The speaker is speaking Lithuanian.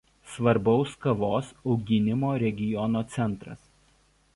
Svarbaus kavos auginimo regiono centras.